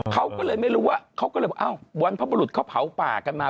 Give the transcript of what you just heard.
เขาก็เลยไม่รู้ว่าเขาก็เลยบอกอ้าวบรรพบรุษเขาเผาป่ากันมา